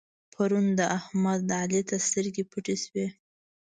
پرون د احمد؛ علي ته سترګې پټې شوې.